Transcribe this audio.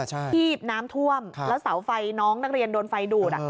ที่น้ำท่วมแล้วเสาไฟน้องนักเรียนโดนไฟดูด